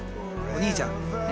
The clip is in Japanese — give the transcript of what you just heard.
お兄ちゃん。